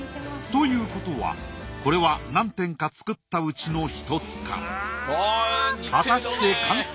ということはこれは何点か作ったうちの１つか？